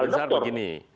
pak binsar begini